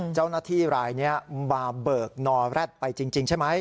เจ้าหน้าที่รายนี้มาเบิกนอแร็ดไปจริงใช่ไหม